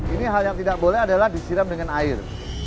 ini hal yang tidak boleh adalah disiram dengan air